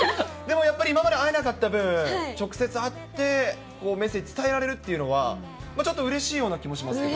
今まで会えなかった分、直接会って、メッセージ伝えられるというのは、ちょっとうれしいような気もしますけど。